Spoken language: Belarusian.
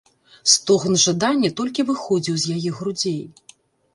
Стогн жадання толькі выходзіў з яе грудзей.